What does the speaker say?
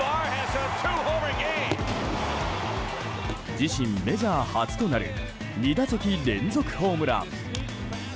自身メジャー初となる２打席連続ホームラン。